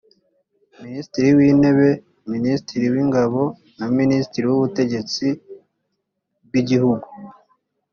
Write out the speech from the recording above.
minisitiri w’intebe minisitiri w’ingabo na minisitiri w’ubutegetsi bw’igihugu